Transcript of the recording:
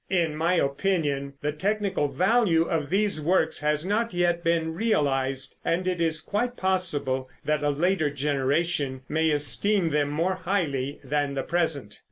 In my opinion the technical value of these works has not yet been realized, and it is quite possible that a later generation may esteem them more highly than the present.